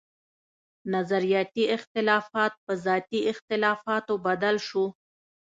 نظرياتي اختلافات پۀ ذاتي اختلافاتو بدل شو